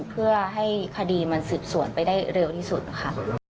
เพื่อให้คดีมันสืบสวนไปได้เร็วที่สุดนะคะ